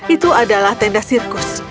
itu adalah tenda sirkus